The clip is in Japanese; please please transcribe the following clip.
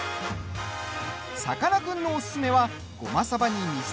さかなクンのおすすめはごまさばにみそ